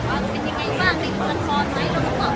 ช่องความหล่อของพี่ต้องการอันนี้นะครับ